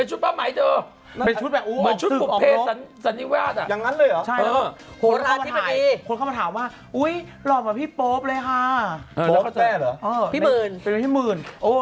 หมายถึงเป็นชุดแบบมันชุดออกเพศสันนิวาสอ่ะอย่างนั้นเลยอ่ะใช่หัวหน้าที่มาถ่ายคนเข้ามาถามว่าอุ๊ยหลอกมาพี่โป๊ปเลยค่ะอ่ะพี่มือเป็นพี่มือ